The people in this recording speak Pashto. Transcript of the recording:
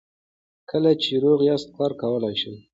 کله چې روغ یاست کار کولی شئ.